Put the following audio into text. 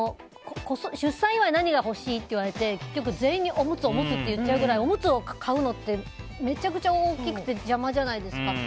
出産祝い何が欲しいって言われて全員におむつって言っちゃうぐらいおむつを買うのってめちゃくちゃ大きくて邪魔じゃないですか。